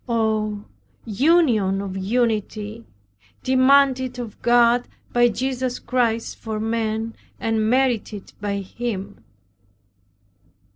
Oh, union of unity, demanded of God by Jesus Chirst for men and merited by him!